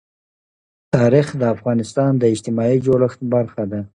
تاریخ د افغانستان د اجتماعي جوړښت برخه ده.